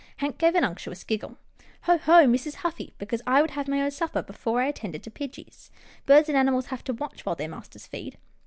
Hank gave an unctuous giggle. " Ho ! ho ! miss is huffy because I would have my own supper before I attended to pidgie's. Birds and animals have to watch while their masters feed."